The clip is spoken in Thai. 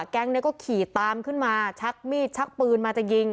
แก๊งนี้ก็ขี่ตามขึ้นมาชักมีดชักปืนมาจะยิง